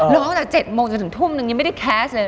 ตั้งแต่๗โมงจนถึงทุ่มนึงยังไม่ได้แคสต์เลย